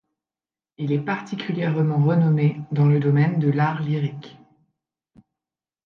Il est particulièrement renommé dans le domaine de l'art lyrique.